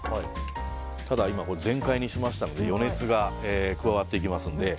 ただ、全開にしましたので余熱が加わってきますので。